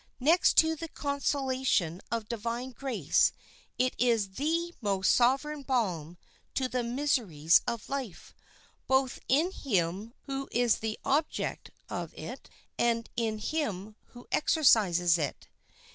Next to the consolation of divine grace it is the most sovereign balm to the miseries of life, both in him who is the object of it, and in him who exercises it.